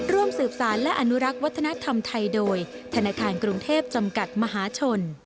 ร่วมสืบสารและอนุรักษ์วัฒนธรรมไทยโดยธนาคารกรุงเทพจำกัดมหาชน